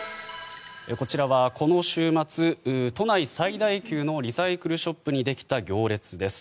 こちらはこの週末、都内最大級のリサイクルショップにできた行列です。